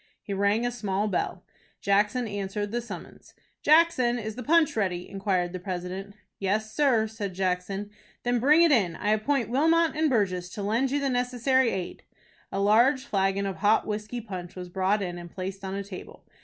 He rang a small bell. Jackson answered the summons. "Jackson, is the punch ready?" inquired the president. "Yes, sir," said Jackson. "Then bring it in. I appoint Wilmot and Burgess to lend you the necessary aid." A large flagon of hot whiskey punch was brought in and placed on a table.